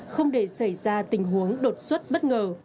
không để xảy ra tình huống đột xuất bất ngờ